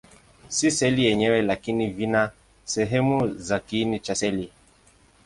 Si seli yenyewe, lakini vina sehemu za kiini cha seli.